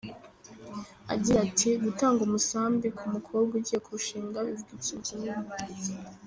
Agira ati “Gutanga umusambi ku mukobwa ugiye kurushinga bivuga ikintu kinini.